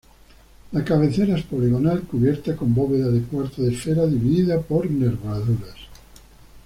La cabecera es poligonal cubierta con bóveda de cuarto de esfera, dividida por nervaduras.